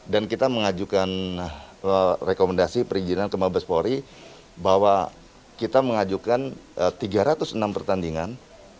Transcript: dan kita mengajukan rekomendasi perizinan ke mabes polri bahwa kita mengajukan tiga ratus enam pertandingan